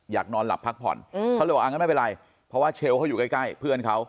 อยากนอนหลับพักผ่อนเขาเลยบอกอ่างั้นไม่เป็นไรเพราะว่าเชลล์เขาอยู่ใกล้เพื่อนเขา